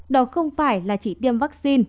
đó không phải là chỉ tiêm vaccine